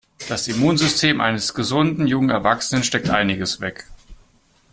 Das Immunsystem eines gesunden, jungen Erwachsenen steckt einiges weg.